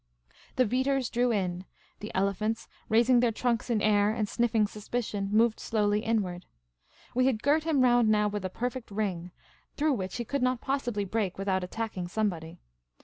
The beaters drew in ; the elephants, raising their trunks in air and sniffing suspicion, moved slowly inward. We had girt him round now with a perfect ring, through which he could not possiljly break without attacking somebody.